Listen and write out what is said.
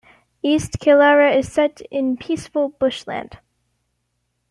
East Killara is set in peaceful bushland.